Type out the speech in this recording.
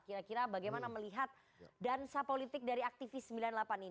kira kira bagaimana melihat dansa politik dari aktivis sembilan puluh delapan ini